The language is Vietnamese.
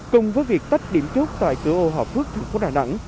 cùng với việc tách điểm chốt tại cửa ô phước thành phố đà nẵng